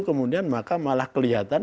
kemudian maka malah kelihatan